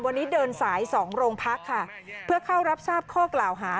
วันนี้เดินสายสองโรงพักค่ะเพื่อเข้ารับทราบข้อกล่าวหา